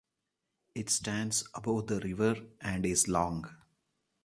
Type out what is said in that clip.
It stands above the river and is long.